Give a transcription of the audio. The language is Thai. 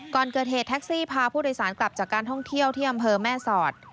ก่อนเกิดเหตุแท็กซี่พาผู้โดยสารกลับจากการท่องเที่ยวที่อำเภอแม่สอด